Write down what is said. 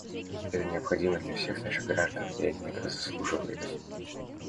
Это необходимо для всех наших граждан, и они этого заслуживают.